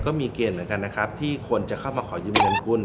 ก็มีเกณฑ์เหมือนกันนะครับที่คนจะเข้ามาขอยืมเงินคุณ